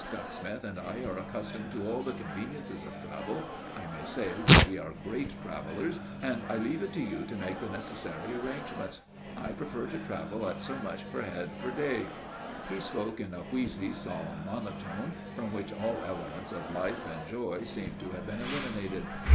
Ducksmith and I are accustomed to all the conveniences of travel I may say that we are great travellers and I leave it to you to make the necessary arrangements. I prefer to travel at so much per head per day." He spoke in a wheezy, solemn monotone, from which all elements of life and joy seemed to have been eliminated.